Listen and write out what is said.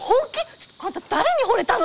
ちょっとあんた誰にほれたのよ！